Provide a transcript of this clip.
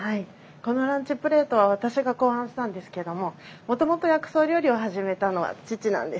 このランチプレートは私が考案したんですけどももともと薬草料理を始めたのは父なんです。